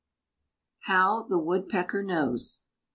HOW THE WOODPECKER KNOWS.